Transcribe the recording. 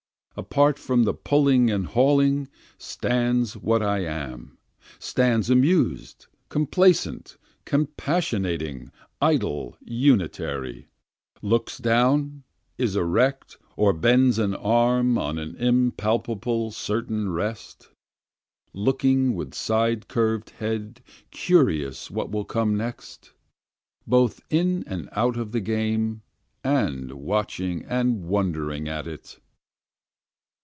Apart from the pulling and hauling stands what I am, Stands amused, complacent, compassionating, idle, unitary, Looks down, is erect, or bends an arm on an impalpable certain rest, Looking with side curved head curious what will come next, Both in and out of the game and watching and wondering at it.